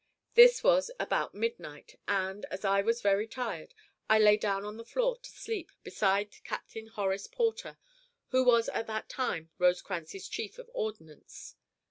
This was about midnight, and, as I was very tired, I lay down on the floor to sleep, beside Captain Horace Porter, who was at that time Rosecrans's chief of ordnance.